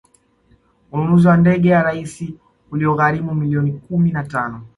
ununuzi wa ndege ya rais uliyoigharimu milioni kumi na tano